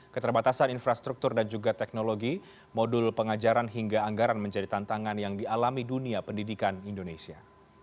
keterbatasan infrastruktur dan juga teknologi modul pengajaran hingga anggaran menjadi tantangan yang dialami dunia pendidikan indonesia